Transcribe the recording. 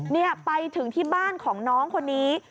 นี่ไปถึงที่บ้านของน้องคนนี้